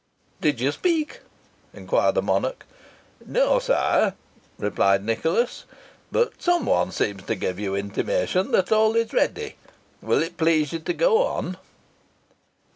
"Did you speak?" inquired the monarch. "No, sire," replied Nicholas; "but some one seemed to give you intimation that all is ready. Will it please you to go on?"